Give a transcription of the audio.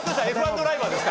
ドライバーですから。